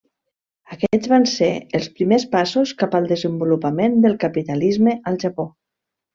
Aquests van ser els primers passos cap al desenvolupament del capitalisme al Japó.